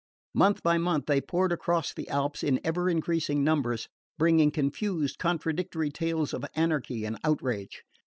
Month by month they poured across the Alps in ever increasing numbers, bringing confused contradictory tales of anarchy and outrage.